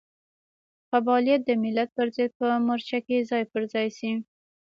قبایلت د ملت پرضد په مورچه کې ځای پر ځای شي.